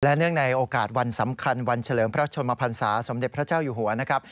เนื่องในโอกาสวันสำคัญวันเฉลิมพระชนมพันศาสมเด็จพระเจ้าอยู่หัวนะครับ